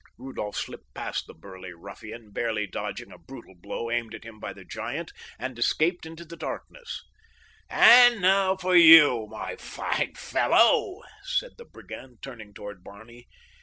Rudolph slipped past the burly ruffian, barely dodging a brutal blow aimed at him by the giant, and escaped into the darkness without. "And now for you, my fine fellow," said the brigand, turning toward Barney.